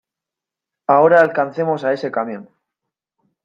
¡ Ahora alcancemos a ese camión!